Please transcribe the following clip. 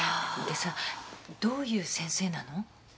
でさどういう先生なの？